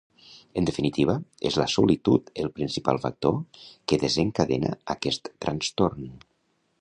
En definitiva, és la solitud el principal factor que desencadena aquest trastorn.